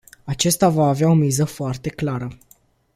Acesta va avea o miză foarte clară.